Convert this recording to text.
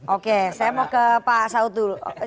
oke saya mau ke pak saud dulu